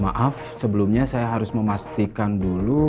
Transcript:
maaf sebelumnya saya harus memastikan dulu